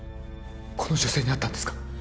この女性に会ったんですか？